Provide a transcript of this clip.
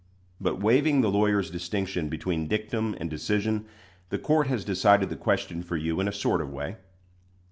But waiving the lawyer's distinction between dictum and decision, the court has decided the question for you in a sort of way.